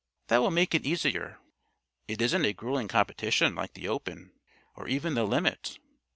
That will make it easier. It isn't a grueling competition like the 'Open' or even the 'Limit.'